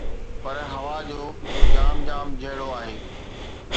پر هوا جو جام جام جهڙو آهي